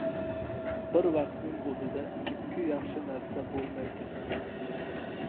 • Bir vaqtning o‘zida ikki yaxshi narsa bo‘lmaydi.